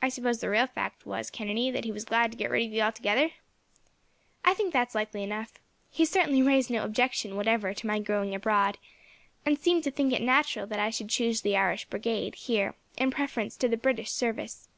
"I suppose the real fact was, Kennedy, that he was glad to get rid of you altogether?" "I think that is likely enough. He certainly raised no objection, whatever, to my going abroad, and seemed to think it natural that I should choose the Irish Brigade, here, in preference to the British service.